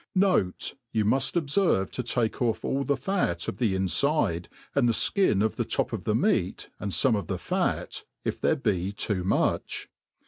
u : Note, You mufl obicrvc to take off all the fat of the infide, and the fkin of the top of the meat, and fqme of the fat, if there be too much.